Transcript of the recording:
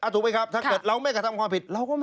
ถูกมั้ยครับ